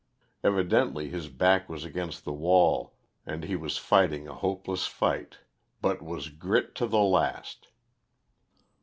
Evidently his back was against the wall, and he was fighting a hopeless fight, but was grit to the last.